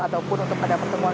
ataupun untuk ada pertemuan